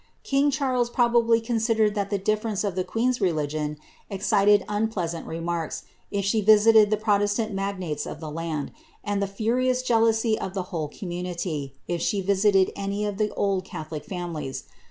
King Charles probably considered that the difference of the queen^s relicnon excited unpleasant remarks, if she visited the protestant magnates o\' the land, and the furious jealousy of the whole community, if she visited any of the old catholic families.